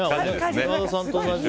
今田さんと同じで。